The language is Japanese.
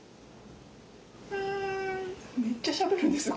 めっちゃしゃべるんですよ